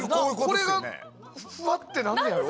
これがふわってなんのやろ。